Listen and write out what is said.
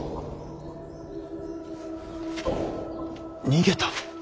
逃げた？